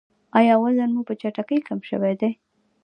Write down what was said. ایا وزن مو په چټکۍ کم شوی دی؟